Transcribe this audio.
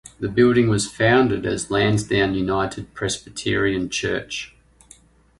The building was founded as the Lansdowne United Presbyterian Church.